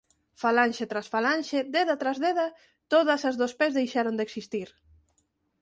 Falanxe tras falanxe, deda tras deda, todas as dos pes deixaron de existir.